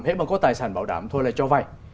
thế mà có tài sản bảo đảm thôi là cho vay